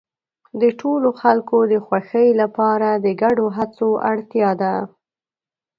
د ټولو خلکو د خوښۍ لپاره د ګډو هڅو اړتیا ده.